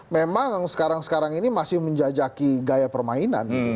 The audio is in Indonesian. memang sekarang sekarang ini masih menjajaki gaya permainan